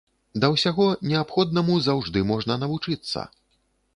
Да ўсяго, неабходнаму заўжды можна навучыцца.